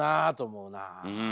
うん。